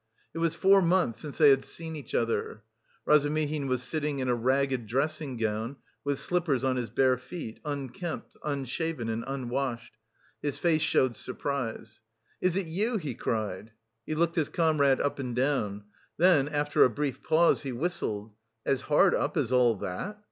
It was four months since they had seen each other. Razumihin was sitting in a ragged dressing gown, with slippers on his bare feet, unkempt, unshaven and unwashed. His face showed surprise. "Is it you?" he cried. He looked his comrade up and down; then after a brief pause, he whistled. "As hard up as all that!